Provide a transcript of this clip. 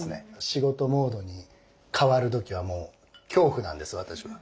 仕事モードに変わる時はもう恐怖なんです私は。